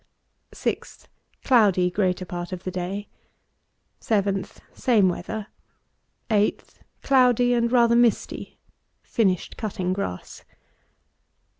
_ 6th. Cloudy greater part of the day. 7th. Same weather. 8th. Cloudy and rather misty. _Finished cutting grass.